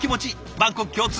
万国共通。